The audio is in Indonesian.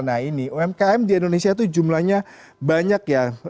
nah ini umkm di indonesia itu jumlahnya banyak ya